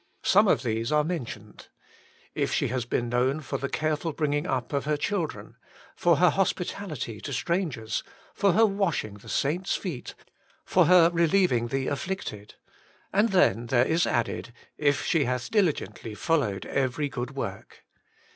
Some of these are mentioned : if she has been known for the careful bringing up of her children, for her hospitality to strangers, for her washing the saints' feet, for her re lieving the afflicted; and then there is added, ' if she hath diligently follozved every good work.'